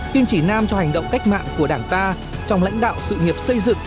kim chỉ nam cho hành động cách mạng của đảng ta trong lãnh đạo sự nghiệp xây dựng